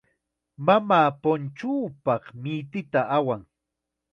Mamaa punchuupaq minita awan.